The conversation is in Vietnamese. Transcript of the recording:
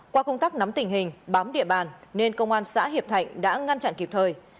qua công tác nắm tình hình bám địa bàn nên công an xã hiệp thạnh đã ngăn chặn kịp thời